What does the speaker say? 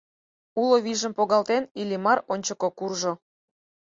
Уло вийжым погалтен, Иллимар ончыко куржо.